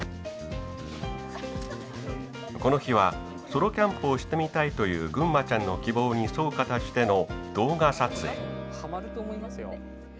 この日は「ソロキャンプをしてみたい」というぐんまちゃんの希望に沿う形での動画撮影。